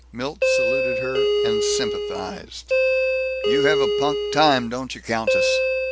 Milt saluted her and sympathized: "You have a punk time, don't you, countess?